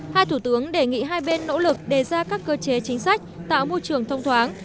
hai thủ tướng đề nghị hai bên nỗ lực đề ra các cơ chế chính sách tạo môi trường thông thoáng